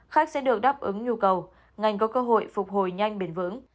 khách sẽ được đáp ứng nhu cầu ngành có cơ hội phục hồi nhanh bền vững